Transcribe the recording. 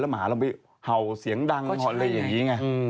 แล้วหมาเราไปเห่าเสียงดังอะไรอย่างนี้ไง